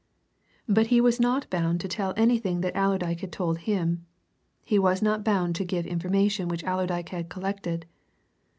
But he was not bound to tell anything that Allerdyke had told him: he was not bound to give information which Allerdyke had collected.